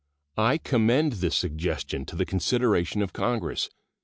I commend this suggestion to the consideration of Congress.